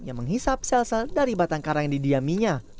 yang menghisap sel sel dari batang karang yang didiaminya